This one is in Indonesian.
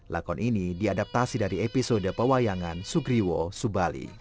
lakon ini diadaptasi dari episode pewayangan sugriwo subali